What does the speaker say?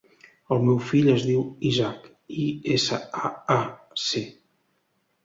El meu fill es diu Isaac: i, essa, a, a, ce.